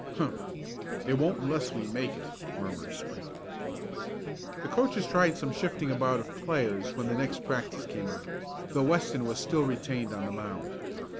"Humph! It won't unless we make it," murmured Spike. The coaches tried some shifting about of players when the next practice came on, though Weston was still retained on the mound.